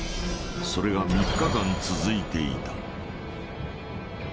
それが３日間続いていた。